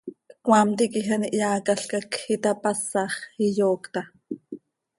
Cmaam quij an iheaacalca quij itapasax, iyoocta.